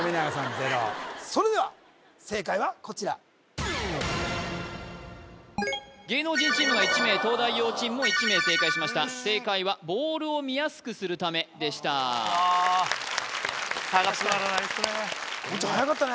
ゼロそれでは正解はこちら芸能人チームが１名東大王チームも１名正解しました正解はボールを見やすくするためでした差が詰まらないですね言ちゃんはやかったね